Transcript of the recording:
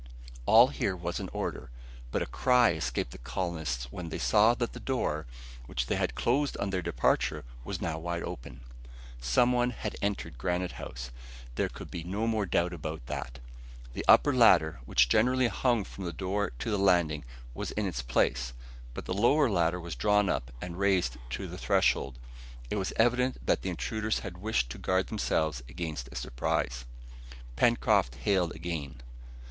All here was in order; but a cry escaped the colonists when they saw that the door, which they had closed on their departure, was now wide open. Some one had entered Granite House there could be no more doubt about that. The upper ladder, which generally hung from the door to the landing, was in its place, but the lower ladder was drawn up and raised to the threshold. It was evident that the intruders had wished to guard themselves against a surprise. Pencroft hailed again.